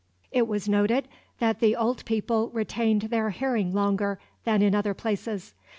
It was noted that the old people retained their hearing longer than in other places.